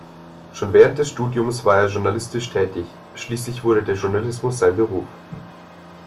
Schon während des Studiums war er journalistisch tätig, schließlich wurde der Journalismus sein Beruf.